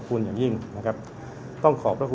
สวัสดีครับ